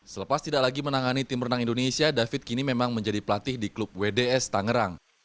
selepas tidak lagi menangani tim renang indonesia david kini memang menjadi pelatih di klub wds tangerang